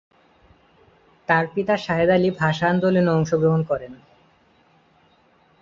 তার পিতা শাহেদ আলী ভাষা আন্দোলনে অংশগ্রহণ করেন।